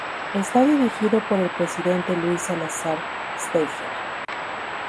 Está dirigido por el presidente Luis Salazar Steiger.